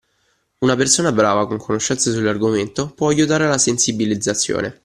Una persona brava con conoscenze sull’argomento può aiutare nella sensibilizzazione